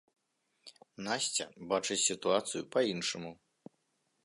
Насця бачыць сітуацыю па-іншаму.